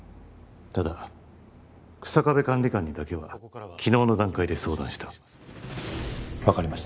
ただ日下部管理官にだけは昨日の段階で相談した分かりました